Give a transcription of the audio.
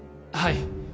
はい。